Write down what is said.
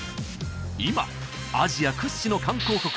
今アジア屈指の観光国